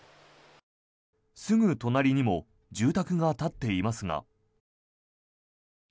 すぐ隣にも住宅が立っていますが。